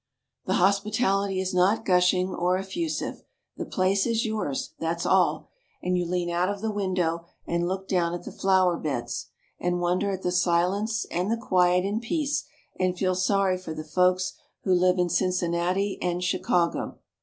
The hospitality is not gushing or effusive the place is yours, that's all, and you lean out of the window and look down at the flowerbeds, and wonder at the silence and the quiet and peace, and feel sorry for the folks who live in Cincinnati and Chicago.